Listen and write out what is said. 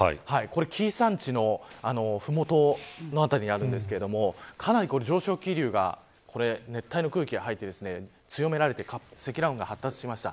紀伊山地の麓の辺りにあるんですけどかなり上昇気流が熱帯の空気が入って強められて積乱雲が発達しました。